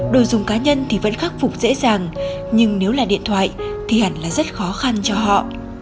đồ dùng cá nhân thì vẫn khắc phục dễ dàng nhưng nếu là điện thoại thì hẳn là rất khó khăn cho họ